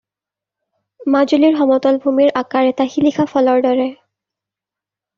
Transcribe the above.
মাজুলীৰ সমতলভূমিৰ আকাৰ এটা শিলিখা ফলৰ দৰে।